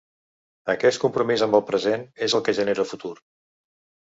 Aquest compromís amb el present és el que genera futur.